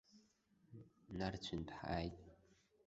Нарцәынтә ҳааит!